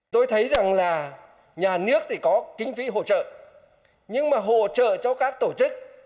tôi thấy rằng là nhà nước thì có kinh phí hỗ trợ nhưng mà hỗ trợ cho các tổ chức